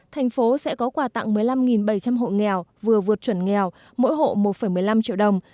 thành phố sẽ có quà tặng một mươi năm bảy trăm linh hộ nghèo vừa vượt chuẩn nghèo mỗi hộ một một mươi năm triệu đồng